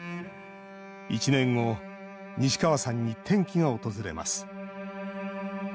１年後西川さんに転機が訪れます。